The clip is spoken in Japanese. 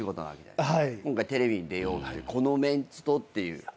今回テレビに出ようこのメンツとっていう。